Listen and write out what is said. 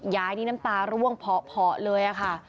ยายนี่น้ำตาร่วงเพาะเลยค่ะ